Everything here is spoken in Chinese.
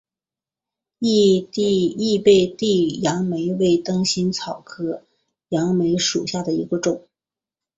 异被地杨梅为灯心草科地杨梅属下的一个种。